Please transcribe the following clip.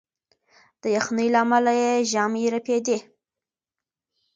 د یخنۍ له امله یې ژامې رپېدې.